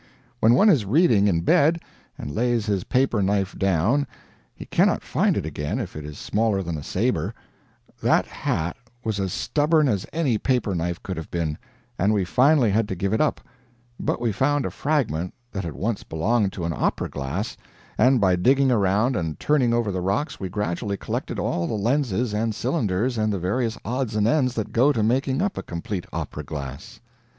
When one is reading in bed, and lays his paper knife down, he cannot find it again if it is smaller than a saber; that hat was as stubborn as any paper knife could have been, and we finally had to give it up; but we found a fragment that had once belonged to an opera glass, and by digging around and turning over the rocks we gradually collected all the lenses and the cylinders and the various odds and ends that go to making up a complete opera glass.